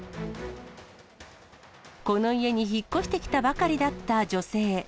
この家に引っ越してきたばかりだった女性。